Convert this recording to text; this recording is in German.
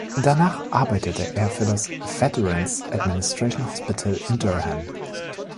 Danach arbeitete er für das Veterans Administration Hospital in Durham.